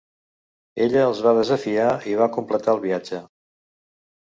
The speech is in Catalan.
Ella els va desafiar i va completar el viatge.